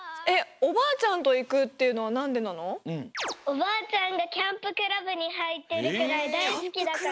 おばあちゃんがキャンプクラブにはいってるくらいだいすきだから。